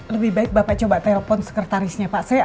lebih baik bapak coba telepon sekretarisnya pak